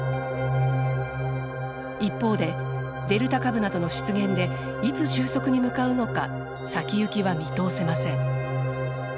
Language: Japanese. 一方でデルタ株などの出現でいつ収束に向かうのか先行きは見通せません。